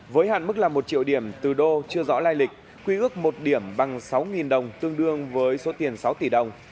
với hạn mức là một triệu điểm từ đô chưa rõ lai lịch quy ước một điểm bằng sáu đồng tương đương với số tiền sáu tỷ đồng